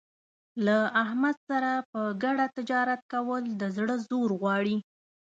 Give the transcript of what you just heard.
له احمد سره په ګډه تجارت کول د زړه زور غواړي.